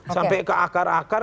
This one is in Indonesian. sampai ke akar akar